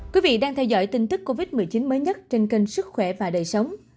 quý vị đang theo dõi tin tức covid một mươi chín mới nhất trên kênh sức khỏe và đời sống